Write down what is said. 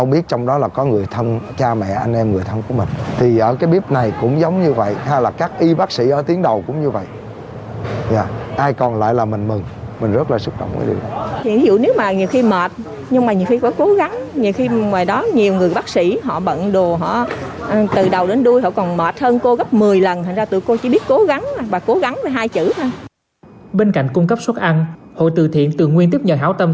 bên cạnh cung cấp xuất ăn hội từ thiện từ nguyên tiếp nhận hảo tâm